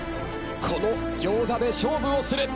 この餃子で勝負をする。